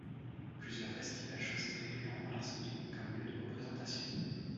Plusieurs festivals choisissent régulièrement l’Arsenic comme lieu de représentation.